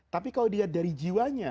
tapi kalau dilihat dari jiwanya